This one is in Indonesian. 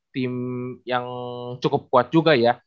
tim yang cukup kuat juga ya